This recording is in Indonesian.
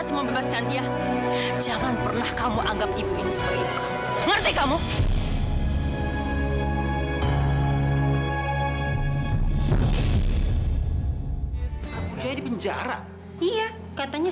sampai jumpa di video selanjutnya